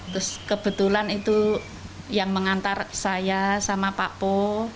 terus kebetulan itu yang mengantar saya sama pak po